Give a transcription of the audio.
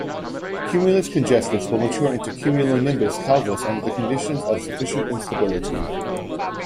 Cumulus congestus will mature into cumulonimbus calvus under conditions of sufficient instability.